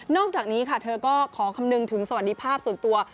อกจากนี้ค่ะเธอก็ขอคำนึงถึงสวัสดีภาพส่วนตัว